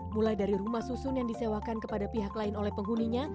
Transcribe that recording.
mulai dari rumah susun yang disewakan kepada pihak lain oleh penghuninya